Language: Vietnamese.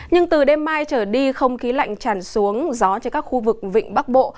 nhưng từ đêm mai trở đi không khí lạnh tràn xuống gió trên các khu vực vịnh bắc bộ